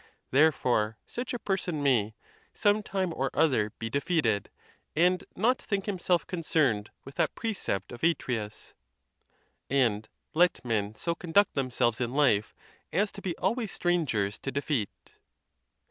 Therefore, such a person may, some time or other, be defeated, and not think himself concerned with that pr e cept of Atreus, And let men so conduct themselves in life, As to be always strangers to defeat.